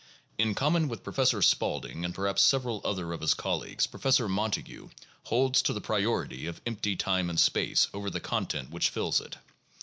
In common with Professor Spaulding and perhaps several other of his colleagues, Professor Montague holds to the priority of empty time and space over the content which fills it.